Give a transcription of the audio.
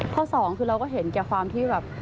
สองคือเราก็เห็นแก่ความที่แบบ